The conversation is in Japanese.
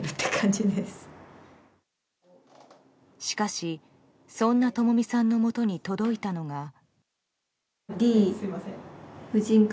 しかし、そんなともみさんのもとに届いたのが。